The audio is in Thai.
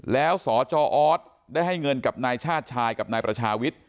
แล้วสจออสได้ให้เงินกับนายชาติชายกับนายประชาวิทย์